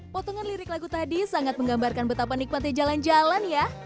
potongan lirik lagu tadi sangat menggambarkan betapa nikmatnya jalan jalan ya